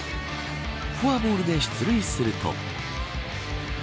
フォアボールで出塁すると。